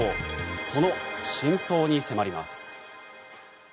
その真相に迫ります。